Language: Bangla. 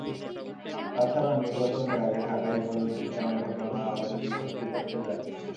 তা ছাড়া নির্বাচনের আগে ঢাকায় হেফাজতে ইসলামের ঘটনা আমাদের বিপক্ষে যায়।